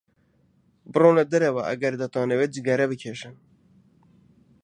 بڕۆنە دەرەوە ئەگەر دەتانەوێت جگەرە بکێشن.